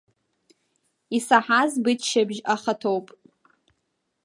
Исаҳаз быччаԥшь ахаҭоуп!